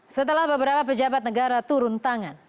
setelah beberapa pejabat negara turun tangan